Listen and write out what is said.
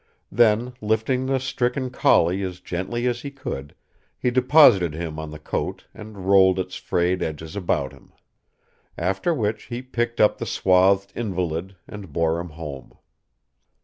Then, lifting the stricken collie as gently as he could, he deposited him on the coat and rolled its frayed edges about him. After which he picked up the swathed invalid and bore him home.